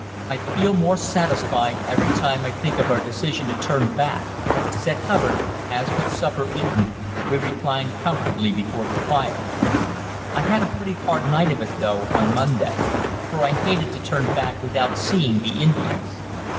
"I feel more satisfied every time I think of our decision to turn back," said Hubbard, as, with supper eaten, we reclined comfortably before the fire. "I had a pretty hard night of it though, on Monday; for I hated to turn back without seeing the Indians."